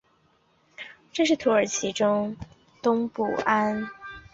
这是土耳其中东部安那托利亚地区的区域统计资料。